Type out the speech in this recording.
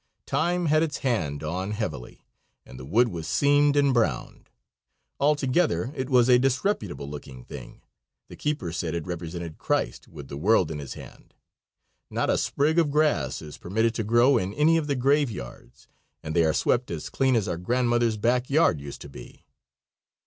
Time had its hand on heavily, and the wood was seamed and browned. Altogether it was a disreputable looking thing. The keeper said it represented Christ with the world in his hand. Not a sprig of grass is permitted to grow in any of the graveyards, and they are swept as clean as our grandmother's backyard used to be.